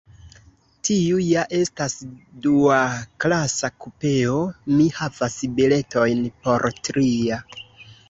Tiu ja estas duaklasa kupeo; mi havas biletojn por tria.